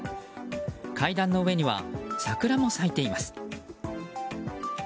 階段の上には桜も咲いています。